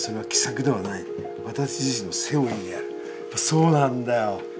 そうなんだよ。